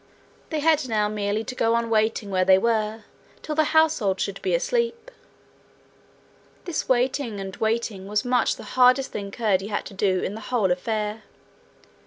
They had now merely to go on waiting where they were till the household should be asleep. This waiting and waiting was much the hardest thing Curdie had to do in the whole affair.